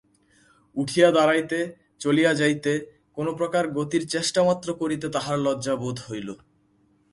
উঠিয়া দাঁড়াইতে, চলিয়া যাইতে, কোনোপ্রকার গতির চেষ্টামাত্র করিতে তাহার লজ্জাবোধ হইল।